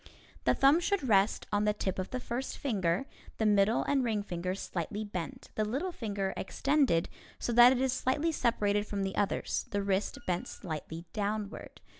The thumb should rest on the tip of the first finger, the middle and ring fingers slightly bent, the little finger extended so that it is slightly separated from the others, the wrist bent slightly downward.